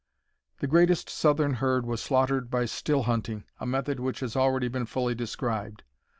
The great southern herd was slaughtered by still hunting, a method which has already been fully described.